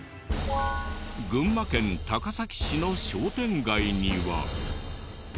群馬県高崎市の商店街には。